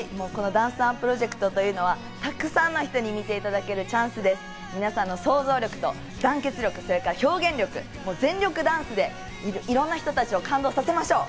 ダンスＯＮＥプロジェクトというのは、たくさんの人に見ていただけるチャンスです、皆さんの想像力と団結力、表現力、全力ダンスでいろんな人たちを感動させましょう！